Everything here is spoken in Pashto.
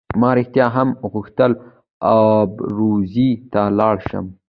ما رښتیا هم غوښتل ابروزي ته ولاړ شم.